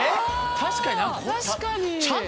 確かに。